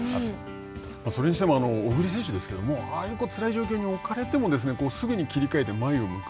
それにしても小栗選手ですけれどもああいうつらい状況に置かれてもすぐに切りかえて前を向く。